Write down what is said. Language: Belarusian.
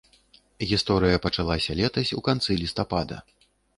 Гісторыя пачалася летась у канцы лістапада.